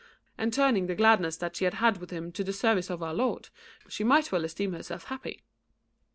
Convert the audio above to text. And turning the gladness that she had had with him to the service of Our Lord, she might well esteem herself happy."